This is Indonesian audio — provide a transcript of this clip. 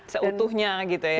seutuhnya gitu ya